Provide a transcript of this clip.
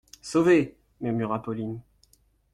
Sauvée ! murmura Pauline.